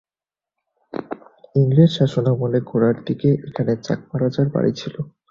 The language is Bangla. ইংরেজ শাসনামলের গোড়ার দিকে এখানে চাকমা রাজার বাড়ি ছিলো।